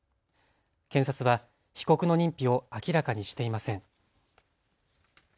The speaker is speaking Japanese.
検察は被告の認否を明らかにしていません。